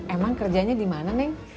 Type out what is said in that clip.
emang kerjanya di mana nih